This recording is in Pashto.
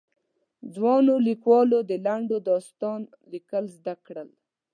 ځوانو ليکوالو د لنډ داستان ليکل زده کړل.